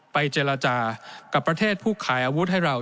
เจรจากับประเทศผู้ขายอาวุธให้เรา